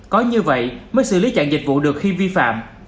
có như vậy mới xử lý chặn dịch vụ được khi vi phạm